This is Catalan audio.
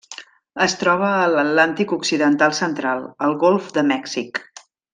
Es troba a l'Atlàntic occidental central: el golf de Mèxic.